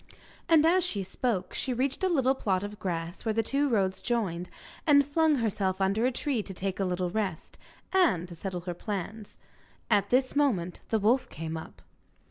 And as she spoke she reached a little plot of grass, where the two roads joined, and flung herself under a tree to take a little rest, and to settle her plans. At this moment the wolf came up.